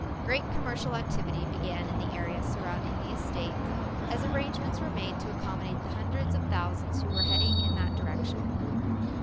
Great commercial activity began in the area surrounding the estate as arrangements were made to accommodate the hundreds of thousands who were heading in that direction.